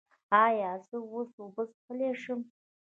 ایا زه اوس اوبه څښلی شم؟